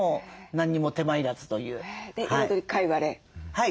はい。